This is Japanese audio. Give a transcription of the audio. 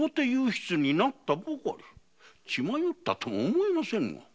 血迷ったとも思えませぬ。